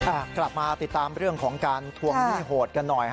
สวัสดีค่ะกลับมาติดตามเรื่องของการทวงเงี้ยโหดกันหน่อย